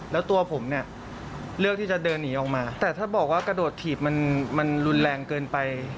แล้วตัวผมเนี่ยเลือกที่จะเดินหนีออกมาแต่ถ้าบอกว่ากระโดดถีบมันรุนแรงเกินไป